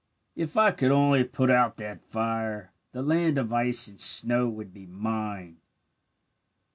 "If I could only put out that fire the land of ice and snow would be mine.